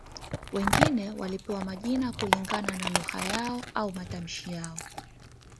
Wengine walipewa majina kulingana na lugha yao au matamshi yao